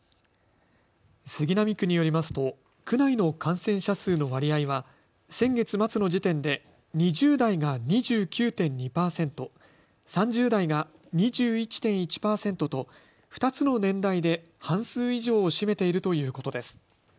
杉並区によりますと区内の感染者数の割合は先月末の時点で２０代が２９．２％、３０代が２１．１％と２つの年代で半数以上を占めているということです。